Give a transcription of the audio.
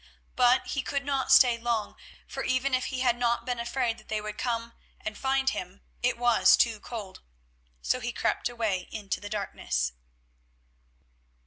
But he could not stay long, for even if he had not been afraid that they would come and find him, it was too cold. So he crept away into the darkness.